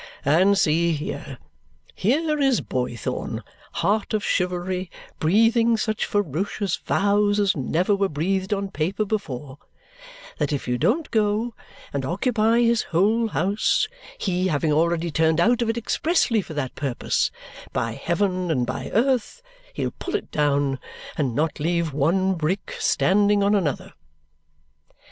And see here! Here is Boythorn, heart of chivalry, breathing such ferocious vows as never were breathed on paper before, that if you don't go and occupy his whole house, he having already turned out of it expressly for that purpose, by heaven and by earth he'll pull it down and not leave one brick standing on another!"